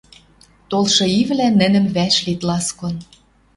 Толшы ивлӓ нӹнӹм вӓшлит ласкон